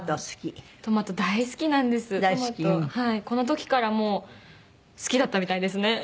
この時からもう好きだったみたいですね。